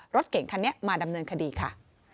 รถเก่งคันนี้มาดำเนินคดีค่ะ